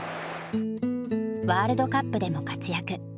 ワールドカップでも活躍。